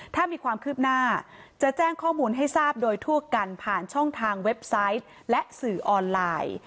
ถ้ามีความคืบหน้าจะแจ้งข้อมูลให้ทราบโดยทั่วกันผ่านช่องทางเว็บไซต์และสื่อออนไลน์